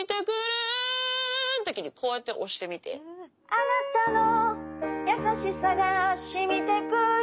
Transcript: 「あなたの優しさが浸みて来る」